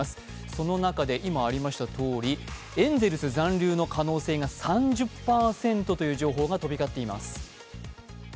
その中で今ありましたとおりエンゼル残留の可能性が３０％という情報が飛び交っています。